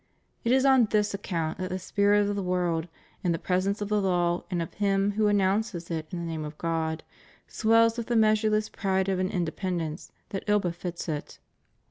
It is on this account that the spirit of the world, in the presence of the law and of him who announces it in the name of God, swells with the measureless pride of an independence that ill befits it.